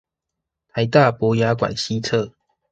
臺大博雅館西側